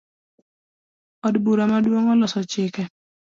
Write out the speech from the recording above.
Od bura maduong oloso chike